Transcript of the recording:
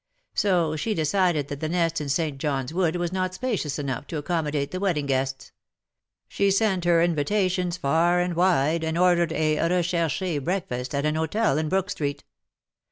So she decided that the nest in St. John''s Wood was not spacious enough to accommo date the wedding guests. She sent her invitations far and wide, and ordered a rechercUt breakfast at an hotel in Brook Street.